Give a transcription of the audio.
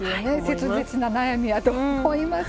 切実な悩みやと思います。